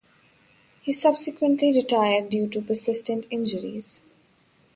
He subsequently retired due to persistent injuries.